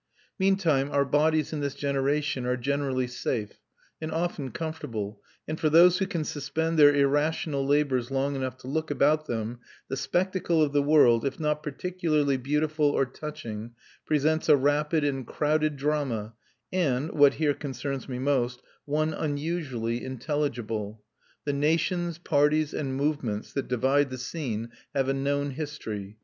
Meantime our bodies in this generation are generally safe, and often comfortable; and for those who can suspend their irrational labours long enough to look about them, the spectacle of the world, if not particularly beautiful or touching, presents a rapid and crowded drama and (what here concerns me most) one unusually intelligible. The nations, parties, and movements that divide the scene have a known history.